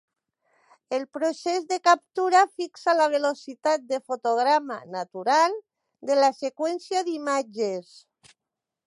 El procés de captura fixa la velocitat de fotograma "natural" de la seqüència d'imatges.